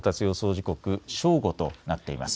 時刻正午となっています。